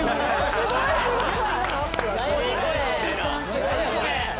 「すごいすごい！」